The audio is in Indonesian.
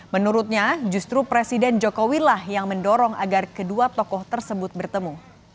menurutnya justru presiden jokowi lah yang mendorong agar kedua tokoh tersebut bertemu